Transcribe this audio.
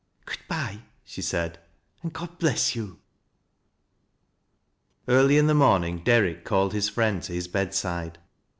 " Good bye !" she said ;" and God bless you !" Early in the morning. Derrick called his friend to hia bedside.